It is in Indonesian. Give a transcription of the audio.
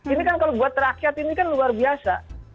ini kan kalau buat rakyat ini kan luar biasa